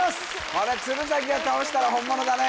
これ鶴崎倒したら本物だね